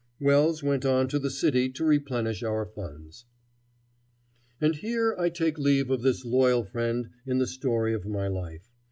Wells went on to the city to replenish our funds. And here I take leave of this loyal friend in the story of my life.